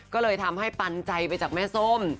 ก็เลยทำให้ปันใจไปจากแม่ส้ม